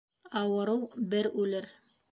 Ауырыу бер үлер